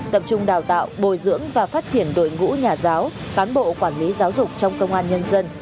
tập trung đào tạo bồi dưỡng và phát triển đội ngũ nhà giáo cán bộ quản lý giáo dục trong công an nhân dân